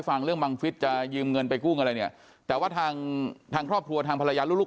ฟังเรื่องบังฟิศจะยืมเงินไปกู้อะไรเนี่ยแต่ว่าทางทางครอบครัวทางภรรยาลูก